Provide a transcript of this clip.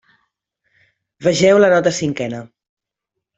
Vegeu la nota cinquena.